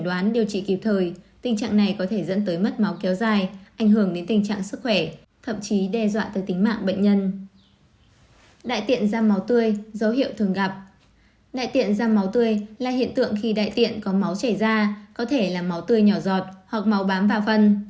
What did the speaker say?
đại tiện da máu tươi là hiện tượng khi đại tiện có máu chảy ra có thể là máu tươi nhỏ giọt hoặc máu bám vào phân